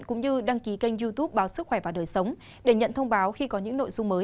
cũng như đăng ký kênh youtube báo sức khỏe và đời sống để nhận thông báo khi có những nội dung mới